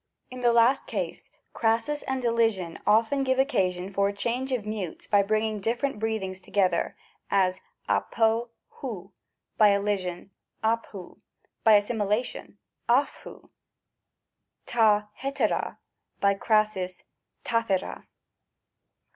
In the last case crasis and elision often give occasion for a change of mutes by bringing differ ent breathings together, as ccTzb ov ; by elision uti ov^ by assimilation dg) ov ; rd iviga, by crasis d^drtqa.